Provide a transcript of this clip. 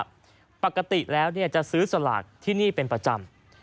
ในแผงค้าตลาดแห่งนี้บอกว่าปกติแล้วจะซื้อสลากที่นี่เป็นประจำ